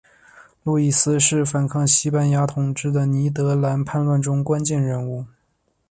路易斯是反抗西班牙统治的尼德兰叛乱中关键人物。